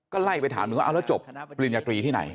ก็ไล่ไปถามเอาล่ะจบปริญญาตรีที่ไหน